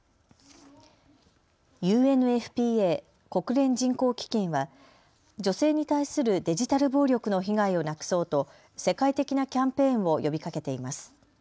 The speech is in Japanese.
ＵＮＦＰＡ・国連人口基金は女性に対するデジタル暴力の被害をなくそうと世界的なキャンペーンを呼びかけています。